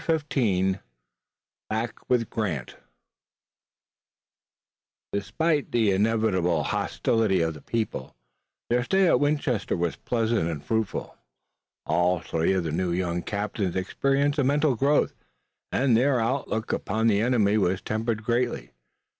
CHAPTER XV BACK WITH GRANT Despite the inevitable hostility of the people their stay at Winchester was pleasant and fruitful. All three of the new young captains experienced a mental growth, and their outlook upon the enemy was tempered greatly.